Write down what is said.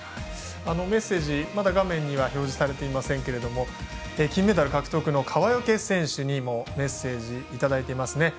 メッセージ、まだ画面には表示されていませんが金メダル獲得の川除選手にもメッセージをいただいています。